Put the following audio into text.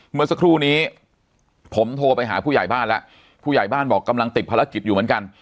เมื่อสักครู่นี้ผมโทรไปหาผู้ใหญ่บ้านแล้วผู้ใหญ่บ้านบอกกำลังติดภารกิจอยู่เหมือนกัน